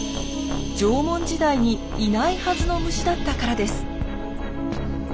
縄文時代にいないはずの虫だったからです。